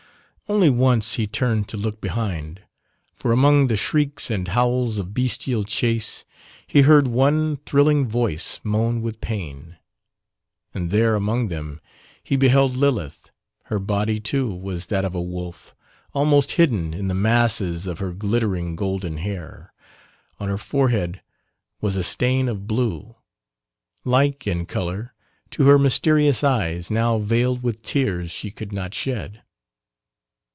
Only once he turned to look behind for among the shrieks and howls of bestial chase he heard one thrilling voice moan with pain. And there among them he beheld Lilith, her body too was that of a wolf, almost hidden in the masses of her glittering golden hair, on her forehead was a stain of blue, like in colour to her mysterious eyes, now veiled with tears she could not shed.